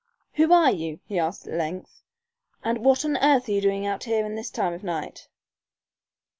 "Who are you?" he asked, at length, "and what on earth are you doing out here this time of night?"